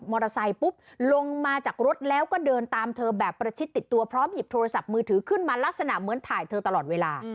ปุ๊บลงมาจากรถแล้วก็เดินตามเธอแบบประชิดติดตัวพร้อมหยิบโทรศัพท์มือถือขึ้นมาลักษณะเหมือนถ่ายเธอตลอดเวลา